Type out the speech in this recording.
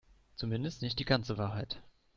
Zumindest nicht die ganze Wahrheit.